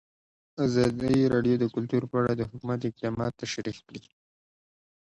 ازادي راډیو د کلتور په اړه د حکومت اقدامات تشریح کړي.